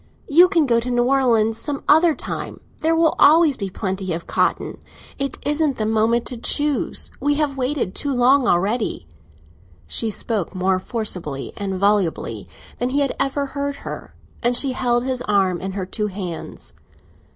You can go to New Orleans some other time—there will always be plenty of cotton. It isn't the moment to choose—we have waited too long already." She spoke more forcibly and volubly than he had ever heard her, and she held his arm in her two hands.